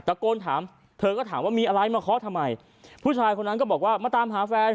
โกนถามเธอก็ถามว่ามีอะไรมาเคาะทำไมผู้ชายคนนั้นก็บอกว่ามาตามหาแฟน